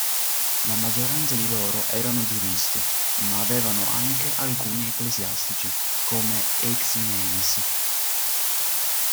La maggioranza di loro erano giuristi, ma avevano anche alcuni ecclesiastici, come Eiximenis.